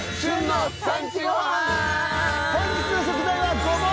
本日の食材はごぼう！